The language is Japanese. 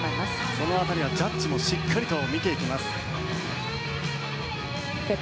その辺りはジャッジもしっかりと見ていきます。